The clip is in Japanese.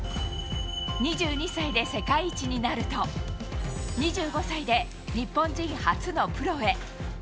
２２歳で世界一になると、２５歳で日本人初のプロへ。